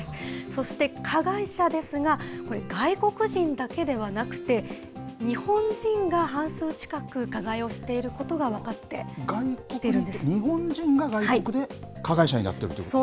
そして加害者ですが、これ、外国人だけではなくて、日本人が半数近く、加害をしていることが分か外国、日本人が外国で加害者になっているということ？